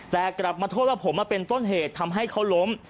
แต่กลับมาโทษว่าผมมาเป็นต้นเหตุทำให้เขาล้ม